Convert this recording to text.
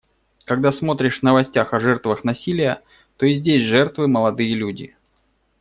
Когда смотришь в новостях о жертвах насилия, то и здесь жертвы — молодые люди.